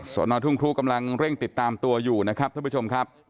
นทุ่งครูกำลังเร่งติดตามตัวอยู่นะครับท่านผู้ชมครับ